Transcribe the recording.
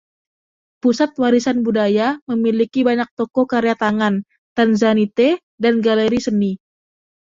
Pusat Warisan Budaya memiliki banyak toko karya tangan, Tanzanite, dan galeri seni.